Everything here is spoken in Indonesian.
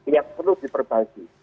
yang perlu diperbaiki